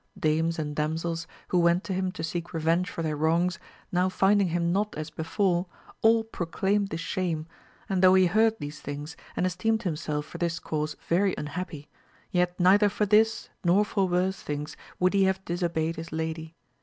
Dames and damsels, who went to him to seek revenge for their wrongs, now finding him not as before, all proclaimed the shame, and though he heard these things, and esteemed himself for this cause very unhappy, yet neither for this nor for worse things would he have disobeyed his lady.